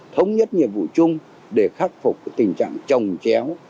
thống nhất nhiệm vụ chung để khắc phục tình trạng trồng chéo